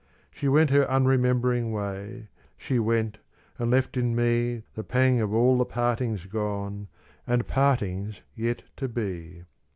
She went her unremembering way, She went and left in me The pang of all the partings gone, And partings yet to be.